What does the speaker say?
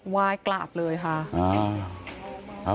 ไหว้กราบเลยค่ะ